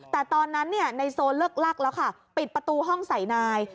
แต่ตอนนั้นในโซนเลิกลักแล้วค่ะปิดประตูห้องใส่นาย